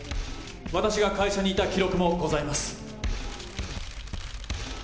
私が会社にいた記録もございます。